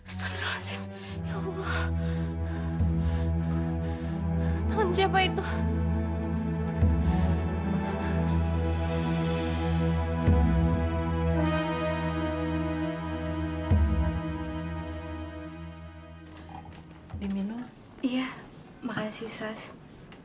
star indonesia season dua